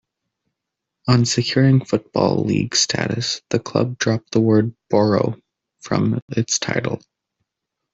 On securing Football League status, the club dropped the word 'Borough' from its title.